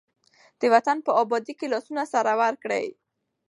د وطن په ابادۍ کې لاسونه سره ورکړئ.